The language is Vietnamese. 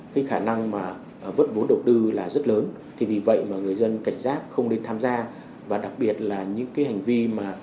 cái khả năng mà vớt vốn đầu tư là rất lớn thì vì vậy mà người dân cảnh giác không nên tham gia và đặc biệt là những cái hành vi mà